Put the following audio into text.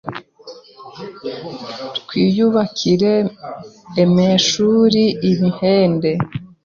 twiyubekire emeshuri, imihende